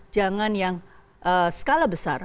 jangan yang skala besar